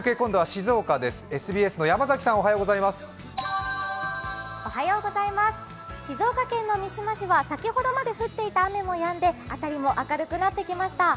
静岡県の三島市は先ほどまで降っていた雨もやんで辺りも明るくなってきました。